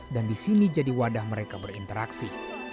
dan di sini jadi wadah mereka berinteraksi